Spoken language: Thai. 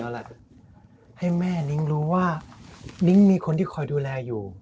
เอาล่ะให้แม่นิ้งรู้ว่านิ้งมีคนที่คอยดูแลอยู่